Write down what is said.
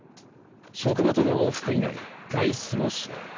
職場との往復以外外出もしない。